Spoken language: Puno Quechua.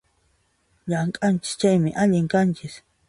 Llamk'anchis chaymi, allin kanchis